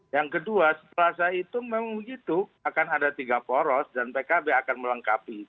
yang kedua setelah saya hitung memang begitu akan ada tiga poros dan pkb akan melengkapi